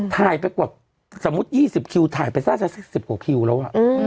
ถ่ายไปกว่าสมมุติ๒๐คิวถ่ายไปน่าจะสัก๑๐กว่าคิวแล้ว